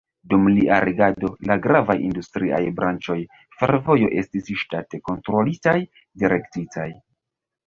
Dum lia regado, la gravaj industriaj branĉoj, fervojo estis ŝtate kontrolitaj, direktitaj.